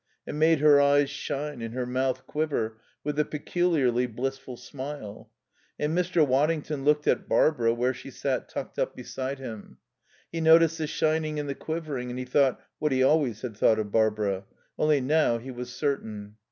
It made her eyes shine and her mouth quiver with a peculiarly blissful smile. And Mr. Waddington looked at Barbara where she sat tucked up beside him. He noticed the shining and the quivering, and he thought what he always had thought of Barbara. Only now he was certain.